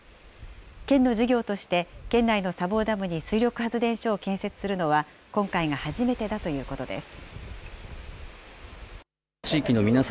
県の事業として、県内の砂防ダムに水力発電所を建設するのは、今回が初めてだということです。